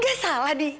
gak salah di